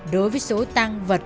đối với số tăng vật